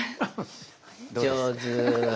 上手。